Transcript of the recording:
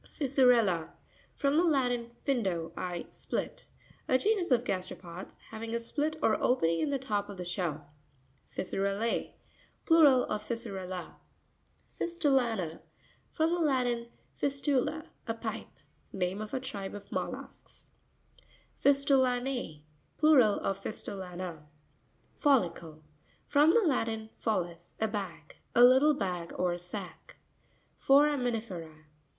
Fissurr'Lta.—From the Latin, findo, I split, A genus of gasteropods having a split or opening in the top of the shell. Fissure Lu&.—Plural of Fissurella. Fisruta'na.—From the Latin, fistula, a pipe. Name of a tribe of mol lusks (page 88). Fisruta'n£.—Plural of Fistulana. Fo/tuicLe.—From the Latin, follis, a bag. A little bag or sack. Forami NirE'RA.